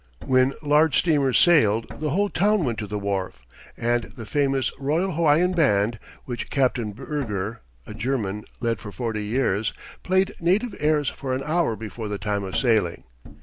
When large steamers sailed the whole town went to the wharf, and the famous Royal Hawaiian Band which Captain Berger, a German, led for forty years played native airs for an hour before the time of sailing.